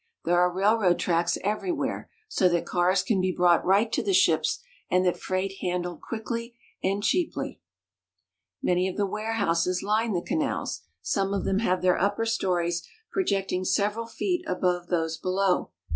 There are railroad tracks everywhere, so that cars can be brought right to the ships, and the freight handled quickly and cheaply. 198 GERMANY. Many of the warehouses line the canals. Some of them have their upper stories projecting several feet above those below.